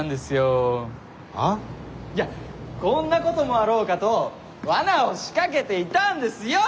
いやこんなこともあろうかと罠を仕掛けていたんですよ！